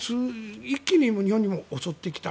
一気に日本にも襲ってきた。